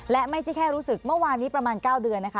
และไม่ใช่แค่รู้สึกเมื่อวานนี้ประมาณ๙เดือนนะคะ